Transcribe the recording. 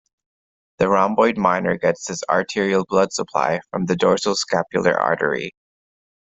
The rhomboid minor gets its arterial blood supply from the dorsal scapular artery.